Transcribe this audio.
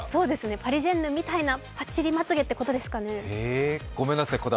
パリジェンヌみたいなパッチリまつげってことですかね。